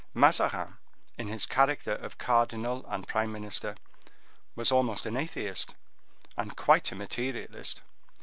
Mazarin, in his character of cardinal and prime minister, was almost an atheist, and quite a materialist.